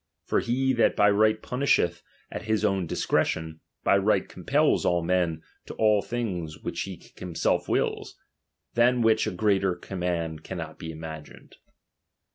For he that by right punisheth at his own discretion, by right compels all men to all j l hings which he himself wills ; than which a greater Command cannot be imagined.